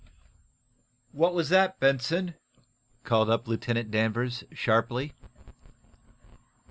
"What was that, Benson?" called up Lieutenant Danvers, sharply.